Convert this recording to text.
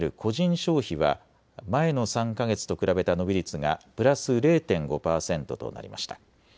消費は前の３か月と比べた伸び率がプラス０．５％となりました。